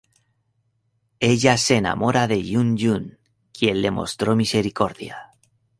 Ella se enamora de Hyun-jun, quien le mostró misericordia.